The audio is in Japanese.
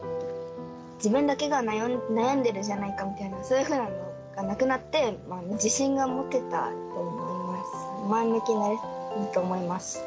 自分だけが悩んでるじゃないかみたいな、そういうふうなのがなくなって、自信が持てたと思います。